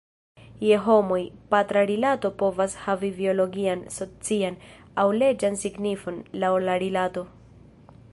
Je homoj, patra rilato povas havi biologian, socian, aŭ leĝan signifon, laŭ la rilato.